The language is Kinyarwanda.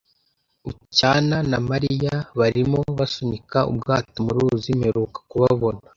Bucyana na Mariya barimo basunika ubwato mu ruzi mperuka kubabona.